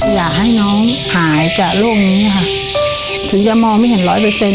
อยากให้น้องหายจากโรคนี้ค่ะถึงจะมองไม่เห็นร้อยเปอร์เซ็น